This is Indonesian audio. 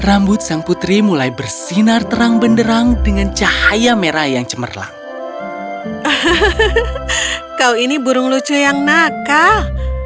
ah suara yang indah